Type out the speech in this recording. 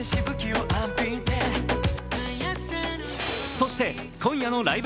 そして今夜の「ライブ！